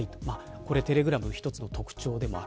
これ、テレグラムの１つの特徴でもある。